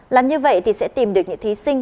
làm như vậy thì sẽ tìm được những thí sinh